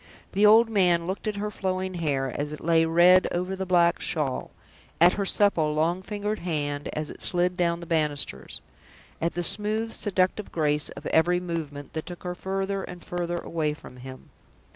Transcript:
The old man looked at her flowing hair, as it lay red over the black shawl at her supple, long fingered hand, as it slid down the banisters at the smooth, seductive grace of every movement that took her further and further away from him.